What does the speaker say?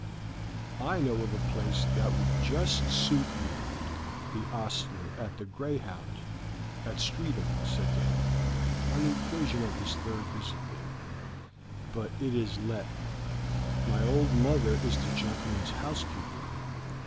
"I know of a place that would just suit you," the ostler at the Greyhound at Streatham said to him, on the occasion of his third visit there; "but it is let; my old mother is the gentleman's housekeeper.